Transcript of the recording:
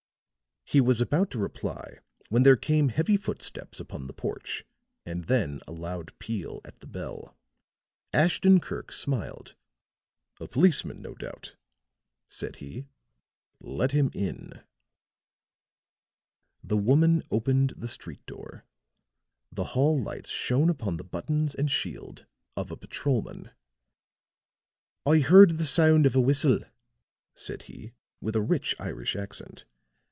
He was about to reply when there came heavy footsteps upon the porch and then a loud peal at the bell. Ashton Kirk smiled. "A policeman, no doubt," said he. "Let him in." The woman opened the street door; the hall lights shone upon the buttons and shield of a patrolman. "I heard the sound of a whistle," said he, with a rich Irish accent.